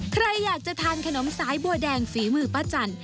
ใครอยากจะทานขนมสายบัวแดงฝีมือป้าจัน